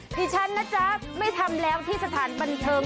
ดิฉันนะจ๊ะไม่ทำแล้วที่สถานบันเทิง